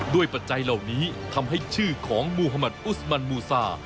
ปัจจัยเหล่านี้ทำให้ชื่อของมูฮมัติอุสมันมูซา